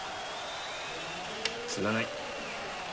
ツガない。